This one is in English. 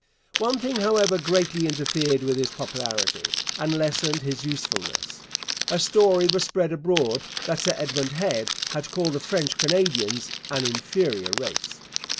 One thing, however, greatly interfered with his popularity and lessened his usefulness. A story was spread abroad that Sir Edmund Head had called the French Canadians 'an inferior race.'